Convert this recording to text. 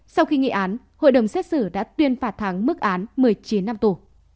sau khi nghị án hội đồng xét xử đã tuyên phạt thắng mức án một mươi chín năm tù